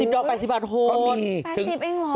๑๐ดอก๘๐บาทโฮน๘๐บาทหรอ